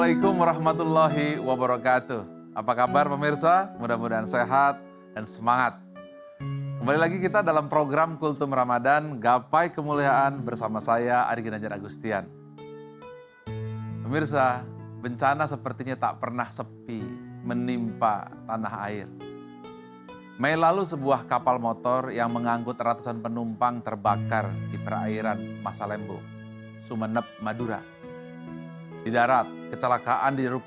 itulah kemuliaan ramadhan